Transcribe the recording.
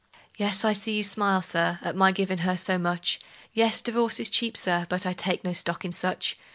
Yes, I see you smile, Sir, at my givin' her so much; Yes, divorce is cheap, Sir, but I take no stock in such!